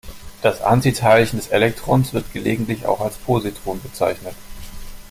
Das Antiteilchen des Elektrons wird gelegentlich auch als Positron bezeichnet.